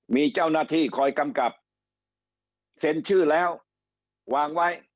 มีเจ้าหน้าที่คอยกำกับเซ็นชื่อแล้ววางไว้